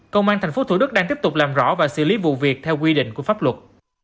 công an tp thủ đức đang tiếp tục làm rõ và xử lý vụ việc theo quy định của pháp luật